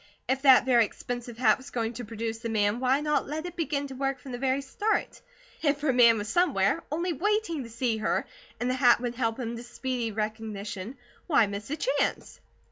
If that very expensive hat was going to produce the man why not let it begin to work from the very start? If her man was somewhere, only waiting to see her, and the hat would help him to speedy recognition, why miss a change?